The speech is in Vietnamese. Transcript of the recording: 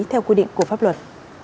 theo quy định của pháp luật